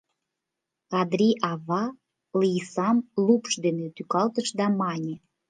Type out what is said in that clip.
Кадри-ава Лийсам лупш дене тӱкалтыш да мане: